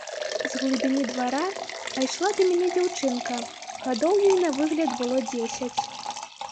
З глыбіні двара пайшла да мяне дзяўчынка, гадоў ёй на выгляд было дзесяць.